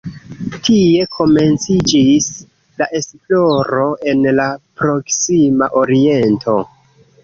Tie komenciĝis la esploro en la Proksima Oriento.